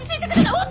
おっ！